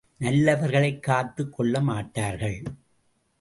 நல்லவர்களைக் காத்துக் கொள்ள மாட்டார்கள்!